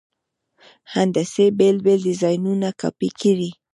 هندسي بېل بېل ډیزاینونه کاپي کړئ.